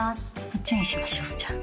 こっちにしましょうじゃあ。